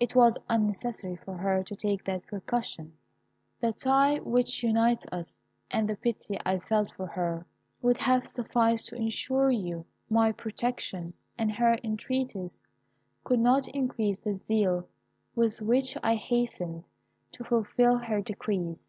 It was unnecessary for her to take that precaution. The tie which unites us, and the pity I felt for her, would have sufficed to ensure you my protection, and her entreaties could not increase the zeal with which I hastened to fulfil her decrees.